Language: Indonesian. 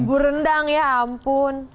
bumbu rendang ya ampun